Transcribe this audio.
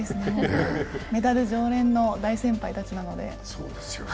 メダル常連の大先輩たちなので。